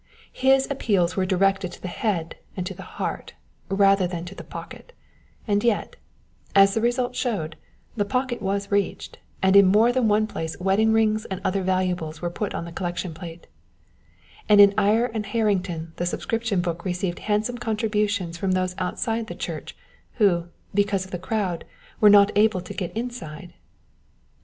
His appeals were directed to the head and to the heart, rather than to the pocket; and yet, as the result showed, the pocket was reached, and in more than one place wedding rings and other valuables were put on the collection plate; and in Ayr and Harrington the subscription book received handsome contributions from those outside the church, who, because of the crowd, were not able to get inside.